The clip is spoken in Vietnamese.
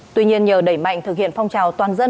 tuy nhiên nhờ đẩy mạnh thực hiện phong trào toàn dân